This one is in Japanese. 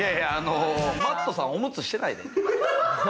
Ｍａｔｔさん、オムツしてないで。